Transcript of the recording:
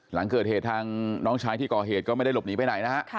หลังเกิดเหตุทางน้องชายที่ก่อเหตุก็ไม่ได้หลบหนีไปไหนนะฮะ